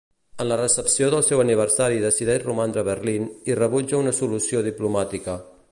En la recepció del seu aniversari decideix romandre a Berlín i rebutja una solució diplomàtica.